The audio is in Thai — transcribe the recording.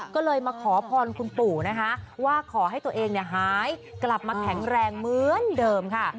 ก็เลยมาขอพรคุณปู่นะคะว่าขอให้ตัวเองหายกลับมาแข็งแรงเหมือนเดิมค่ะ